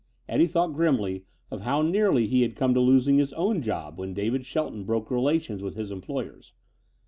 Eddie thought grimly of how nearly he had come to losing his own job when David Shelton broke relations with his employers.